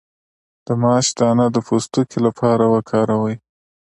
د ماش دانه د پوستکي لپاره وکاروئ